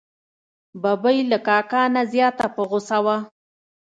ببۍ له کاکا نه زیاته په غوسه وه.